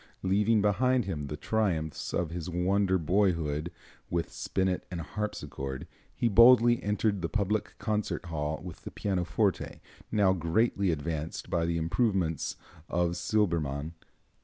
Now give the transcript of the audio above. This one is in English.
Leaving behind him the triumphs of his wonder boyhood with spinet and harpsichord, he boldly entered the public concert hall with the pianoforte, now greatly advanced by the improvements of Silbermann.